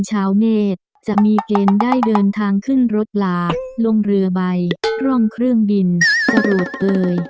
ชาวเนธจะมีเกณฑ์ได้เดินทางขึ้นรถลาลงเรือใบร่องเครื่องบินกระโดดเอ่ย